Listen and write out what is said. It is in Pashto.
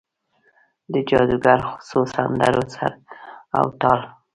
د جادوګرو څو سندرو سر او تال،